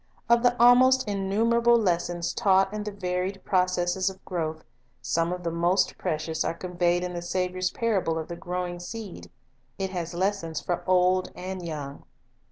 Of the almost innumerable lessons taught in the T.aws nf varied processes of growth, some of the most precious Growth .,_.. are conveyed in the Saviour s parable of the growing seed. It has lessons for old and young.